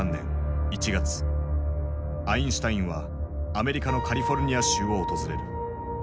アインシュタインはアメリカのカリフォルニア州を訪れる。